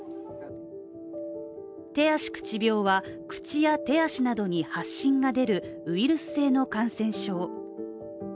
手足口病は口や手足などに発疹が出るウイルス性の感染症。